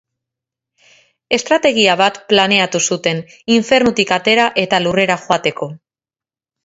Estrategia bat planeatu zuten infernutik atera eta Lurrera joateko.